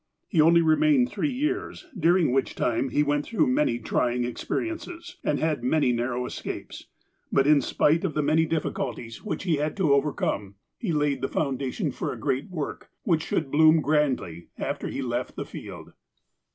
He only remained three years, during which time he went through many trying experiences, and had many narrow escapes, but, in spite of the many diffi i BACK IN OLD ENGLAND 219 culties wliicli he had to overcome, he laid the foundation for a great work, which should bloom grandly after he left the field.